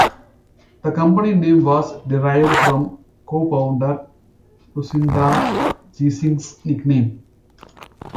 The company name was derived from co-founder Lucinda Ziesings' nickname.